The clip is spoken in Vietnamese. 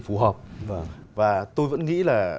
phù hợp và tôi vẫn nghĩ là